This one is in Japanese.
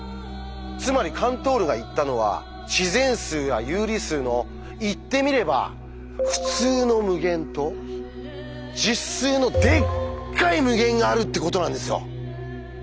つまりカントールが言ったのは自然数や有理数の言ってみれば「ふつうの無限」と実数の「でっかい無限」があるってことなんですよ。